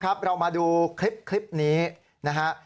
เรามาดูคลิปนี้นะฮะ